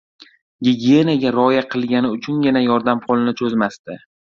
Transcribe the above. — Gigiyenaga rioya qilgani uchungina yordam qo‘lini cho‘zmasdi.